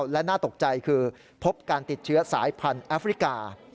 และน่าตกใจคือพบการติดเชื้อสายพันธุ์แอฟริกา